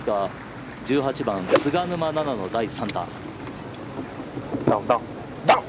１８番菅沼菜々の第３打。